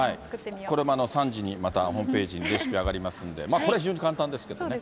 これも３時にまた、ホームページにレシピ上がりますんで、これ、非常に簡単ですけどね。